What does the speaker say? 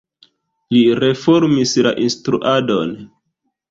Li reformis la instruadon.